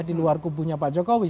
di luar kubunya pak jokowi